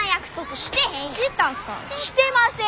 してません。